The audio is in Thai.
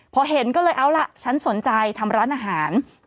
พอเห็นก็เลยเอาล่ะฉันสนใจทำร้านอาหาร